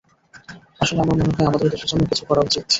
আসলে আমার মনে হয় আমাদেরও দেশের জন্য কিছু করা উচিত।